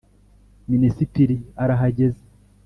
minisitiri arahageze